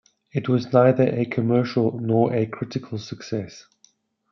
It was neither a commercial nor a critical success.